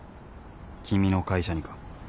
君の会社にか？